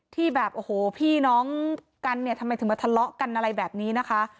ที่แบบโอ้โหพี่น้องกันเนี่ยทำไมถึงมาทะเลาะกันอะไรแบบนี้นะคะ